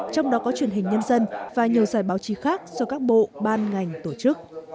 trong đó có truyền hình nhân dân và nhiều giải báo chí khác do các bộ ban ngành tổ chức